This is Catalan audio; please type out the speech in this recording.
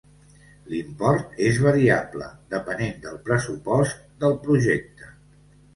L'import és variable, depenent del pressupost del projecte.